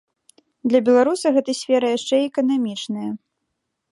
Для беларуса гэта сфера яшчэ і эканамічная.